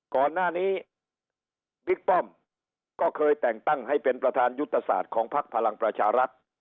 ก่อนหน้านี้บิ๊กป้อมก็เคยแต่งตั้งให้เป็นประธานยุทธศาสตร์ของพักพลังประชารัฐ